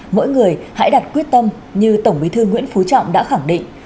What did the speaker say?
mỗi người hãy đặt quyết tâm như tổng bí thư nguyễn phú trọng đã khẳng định